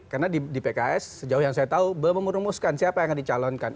karena di pks sejauh yang saya tahu belum merumuskan siapa yang akan dicalonkan